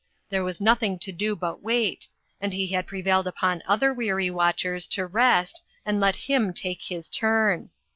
There was nothing to do but wait, and he had prevailed upon other weary watchers to rest, and let him take his turn.